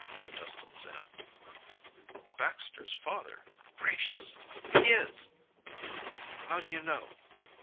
suggested Sam. "Baxter's father Gracious! He is!" "How do you know?"